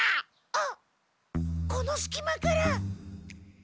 あっこのすき間から。